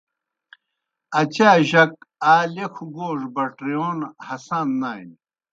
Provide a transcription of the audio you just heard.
اچا جک آ لیکھوْ گوڙہْ بَٹرِیون ہسان نانیْ۔